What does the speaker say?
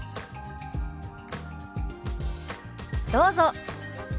どうぞ。